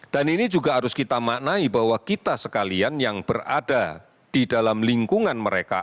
dan ini juga harus kita maknai bahwa kita sekalian yang berada di dalam lingkungan mereka